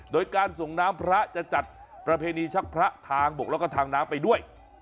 โดยการส่งน้ำพระจะจัดประเพณีชักพระทางบกแล้วก็ทางน้ำไปด้วย